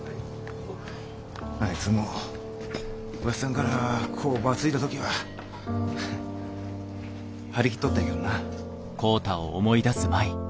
あいつもおやじさんから工場継いだ時は張り切っとったんやけどなぁ。